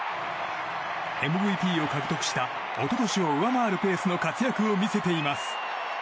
ＭＶＰを獲得した一昨年を上回るペースの活躍を見せています。